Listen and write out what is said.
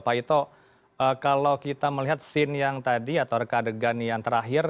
pak ito kalau kita melihat scene yang tadi atau reka adegan yang terakhir